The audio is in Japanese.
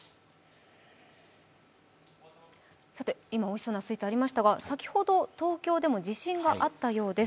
今おいしそうなスイーツがあったんですが先ほど東京でも地震があったようです。